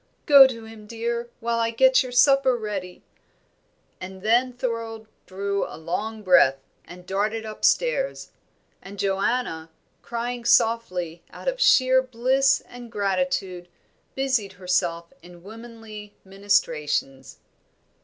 Go to him, dear, while I get your supper ready." And then Thorold drew a long breath, and darted upstairs. And Joanna, crying softly, out of sheer bliss and gratitude, busied herself in womanly ministrations.